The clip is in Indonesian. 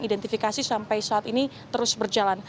identifikasi sampai saat ini terus berjalan